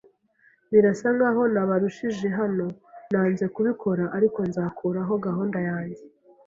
Birasa nkaho nabarushije hano. Nanze kubikora ariko nzakuraho gahunda yanjye